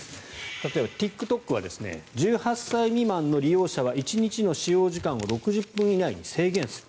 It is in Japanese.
例えば、ＴｉｋＴｏｋは１８歳未満の利用者は１日の利用時間を６０分以内に制限する。